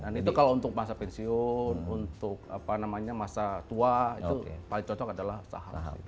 itu kalau untuk masa pensiun untuk apa namanya masa tua itu paling cocok adalah saham